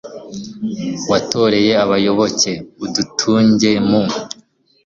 watoreye abayoboke, udutunge mu